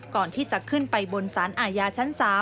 ก่อนที่จะขึ้นไปบนสารอาญาชั้น๓